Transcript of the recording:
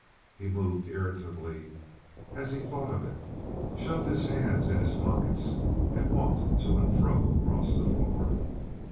He moved irritably as he thought of it, shoved his hands in his pockets and walked to and fro across the floor.